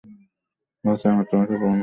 বাছা আমার, তোমাকে প্রণাম।